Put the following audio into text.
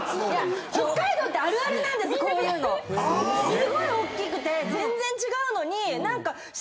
すごい大きくて全然違うのに。